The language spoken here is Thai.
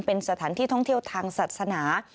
เป็นสถานที่ท่องเที่ยวทางศาสนา